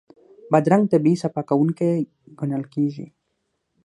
بادرنګ طبعي صفا کوونکی ګڼل کېږي.